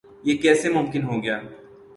یہ کیسے ممکن ہو گا؟